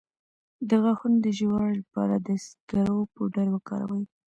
د غاښونو د ژیړوالي لپاره د سکرو پوډر وکاروئ